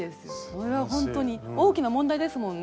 それはほんとに大きな問題ですもんね。